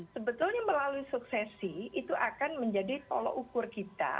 sebetulnya melalui suksesi itu akan menjadi tolok ukur kita